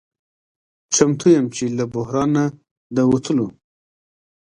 چمتو یم چې له بحران نه د وتلو